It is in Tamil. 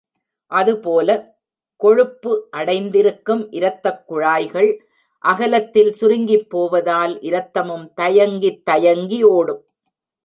அதுபோல, கொழுப்பு அடைந்திருக்கும் இரத்தக் குழாய்கள் அகலத்தில் சுருங்கிப்போவதால், இரத்தமும் தயங்கித் தயங்கி ஓடும்.